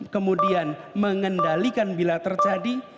kemudian mengendalikan bila terjadi